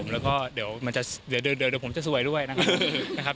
แล้วก็เดี๋ยวมันจะเดินเดินเดี๋ยวผมจะสวยด้วยนะครับ